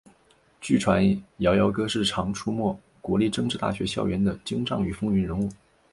据传摇摇哥是常出没国立政治大学校园的精障与风云人物。